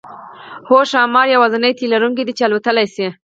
هو ښامار یوازینی تی لرونکی دی چې الوتلی شي